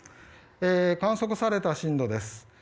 観測された震度です。